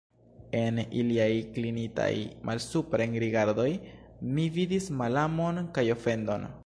En iliaj klinitaj malsupren rigardoj mi vidis malamon kaj ofendon.